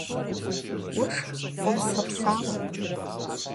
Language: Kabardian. Vueşşx khopsepsaue.